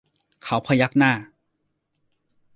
เขาพยักหน้า